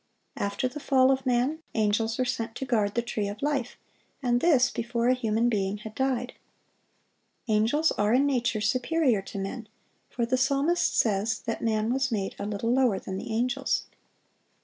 (898) After the fall of man, angels were sent to guard the tree of life, and this before a human being had died. Angels are in nature superior to men; for the psalmist says that man was made "a little lower than the angels."